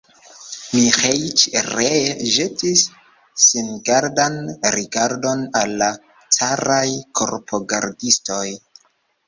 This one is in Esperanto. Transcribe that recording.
Miĥeiĉ ree ĵetis singardan rigardon al la caraj korpogardistoj.